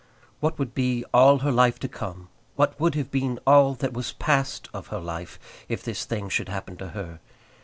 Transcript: What would be all her life to come, what would have been all that was past of her life, if this thing should happen to her?